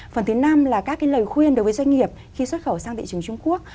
phần thứ năm là các lời khuyên đối với doanh nghiệp khi xuất khẩu sang thị trường trung quốc